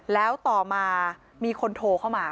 แล้วต่อมามีคนโทรเข้ามา